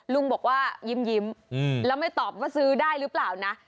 ลุงบอกว่ายิ้มแล้วไม่ตอบว่าซื้อได้หรือเปล่านะ